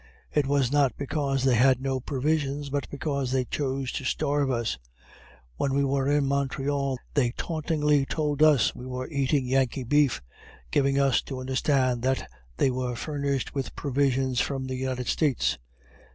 It was not because they had no provisions, but because they chose to starve us. When we were in Montreal they tauntingly told us that we were eating Yankee beef giving us to understand that they were furnished with provisions from the United States.